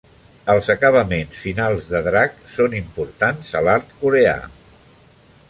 Els acabaments finals de drac són importants a l'art coreà.